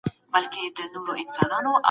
د نورو خلکو غبرګون ډېر مهم دی.